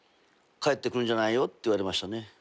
「帰ってくるんじゃないよ」って言われましたね。